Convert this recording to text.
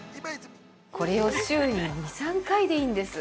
◆これを週に２３回でいいんです。